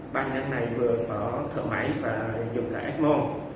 ba bệnh nhân này vừa có thợ máy và dùng cả ecmo